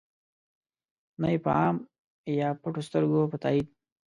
نه ېې په عام یا پټو سترګو په تایید.